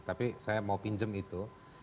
tapi saya mau pinjam itu